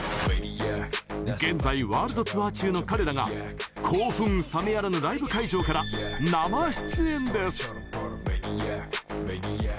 現在、ワールドツアー中の彼らが興奮冷めやらぬライブ会場から生出演です！